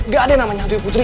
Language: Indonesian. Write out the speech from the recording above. gak ada namanya antunya putri